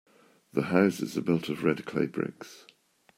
The houses are built of red clay bricks.